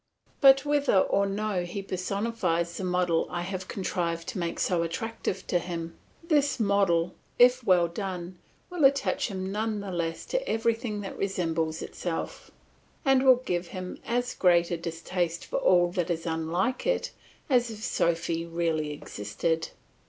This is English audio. But whether or no he personifies the model I have contrived to make so attractive to him, this model, if well done, will attach him none the less to everything that resembles itself, and will give him as great a distaste for all that is unlike it as if Sophy really existed.